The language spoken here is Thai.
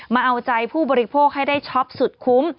มาเอาใจผู้บริโภคให้ได้ช็อปสุดคุ้ม